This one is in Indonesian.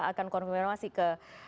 akan konfirmasi ke